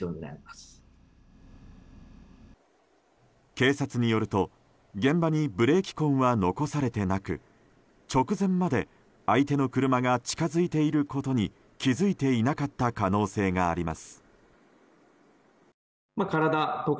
警察によると現場にブレーキ痕は残されてなく直前まで相手の車が近づいていることに気づいていなかった可能性があります。